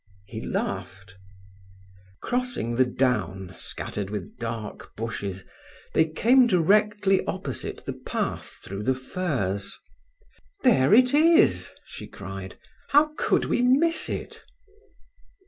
He laughed. Crossing the down, scattered with dark bushes, they came directly opposite the path through the furze. "There it is!" she cried, "How could we miss it?"